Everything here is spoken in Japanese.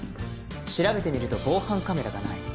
調べてみると防犯カメラがない。